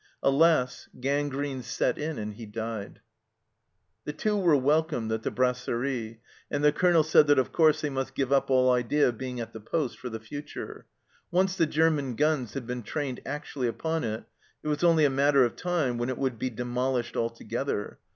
Alas, gangrene set in and he died ! The Two were welcomed at the brasserie, and the Colonel said that of course they must give up all idea of being at the poste for the future. Once the German guns had been trained actually upon it, it was only a matter of time when it would be demolished altogether.